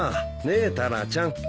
ねえタラちゃん。